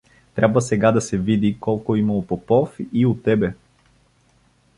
Трябва сега да се види колко има у Попов и у тебе..